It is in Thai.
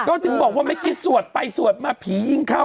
ก็ถึงบอกว่าเมื่อกี้สวดไปสวดมาผียิ่งเข้า